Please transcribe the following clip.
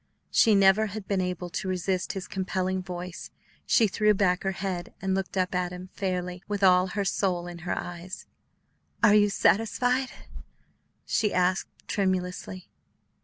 She never had been able to resist his compelling voice; and now with a swift drawn breath she threw back her head and looked up at him fairly, with all her soul in her eyes. "Are you satisfied?" she asked tremulously.